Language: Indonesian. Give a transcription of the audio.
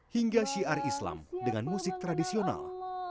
hingga syiar islam dengan musik tradisional